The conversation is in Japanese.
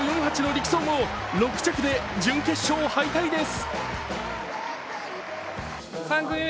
２０秒４８の力走も６着で準決勝敗退です。